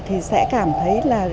thì sẽ cảm thấy là